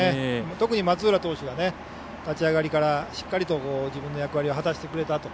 特に松浦投手は立ち上がりからしっかりと自分の役割を果たしてくれたと。